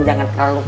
jangan terlalu keras